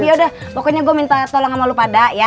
yaudah pokoknya gue minta tolong sama lo pada ya